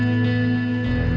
oke sampai jumpa